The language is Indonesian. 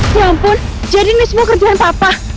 ya ampun jadi ini semua kerjaan papa